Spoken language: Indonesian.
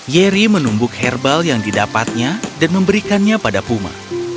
yeri menumbuk herbal yang didapatnya dan memberikannya pada puma